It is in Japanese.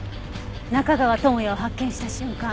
中川智哉を発見した瞬間